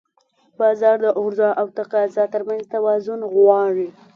بازار د عرضه او تقاضا ترمنځ توازن غواړي.